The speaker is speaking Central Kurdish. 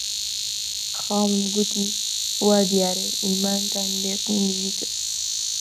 خاڵم گوتی: وا دیارە ئیمانتان لێک نزیکە!